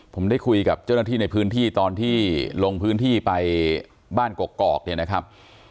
ผมได้คุยกับเจ้าหน้าที่ในพื้นที่ตอนที่ลงพื้นที่ไปบ้านกกอกเนี่ยนะครับ